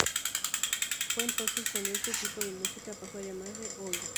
Fue entonces cuando ese tipo de música paso a llamarse Oi!